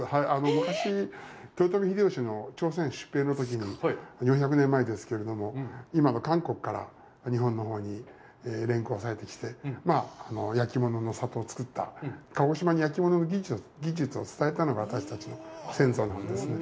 昔、豊臣秀吉の朝鮮出兵のときに、４００年前ですけれども、今の韓国から日本のほうに連行されてきて、焼き物の里をつくった、鹿児島に焼き物の技術を伝えたのが私たちの先祖なんですね。